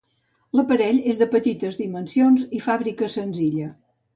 L'aparell és de petites dimensions i fàbrica senzilla.